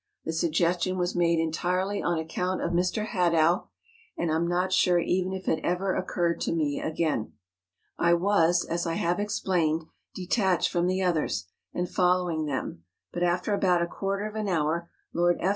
The sugges¬ tion was made entirely on account of Mr. Hadow, and I am not sure even if it ever occurred to me again. I was, as I have explained, detached from the others, and following them ; but after about a quar¬ ter of an hour Lord F.